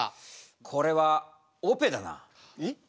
これはオペだな。え！？